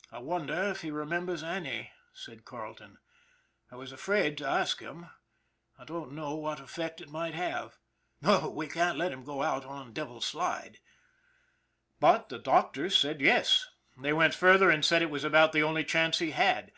" I wonder if he remembers Annie," said Carleton. " I was afraid to ask him. I didn't know what effect it might have. No; we can't let him go out on the Devil's Slide." But the doctors said yes. They went further and said it was about the only chance he had.